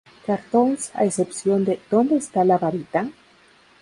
Cartoons a excepción de "¿Dónde está la varita?".